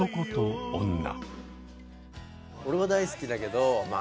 俺は大好きだけどまあ